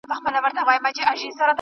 تاسو په خپل کار کې له عقل څخه کار واخلئ.